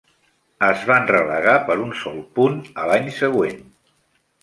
Es van relegar per un sol punt a l'any següent.